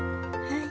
はい。